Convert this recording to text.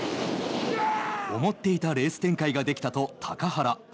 思っていたレース展開ができたと高原。